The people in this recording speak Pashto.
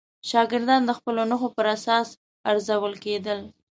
شاګردان د خپلو نښو پر اساس ارزول کېدل.